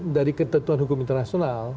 dari ketentuan hukum internasional